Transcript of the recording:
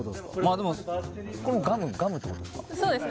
でもこれもガムってことですか？